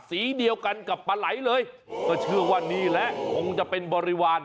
สีเดียวกันกับปลาไหลเลยก็เชื่อว่านี่แหละคงจะเป็นบริวาร